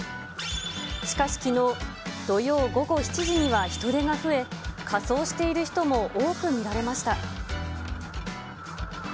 しかしきのう、土曜午後７時には人出が増え、仮装している人も多く見られました。